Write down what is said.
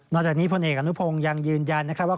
นอกจากนี้พลเอกอนุพงศ์ยังยืนยันว่า